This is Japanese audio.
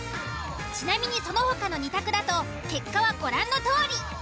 ちなみにその他の２択だと結果はご覧のとおり。